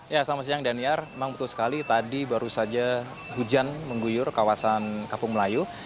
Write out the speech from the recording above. ya selamat siang daniar memang betul sekali tadi baru saja hujan mengguyur kawasan kampung melayu